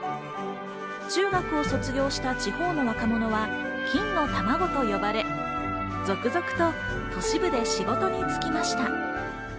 中学を卒業した地方の若者は、金の卵と呼ばれ、続々と都市部で仕事に就きました。